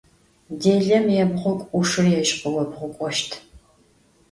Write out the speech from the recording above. Dêlem yêbğuk'u, 'uşşır yêj khıobğuk'oşt.